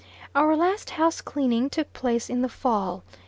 Our last house cleaning took place in the fall.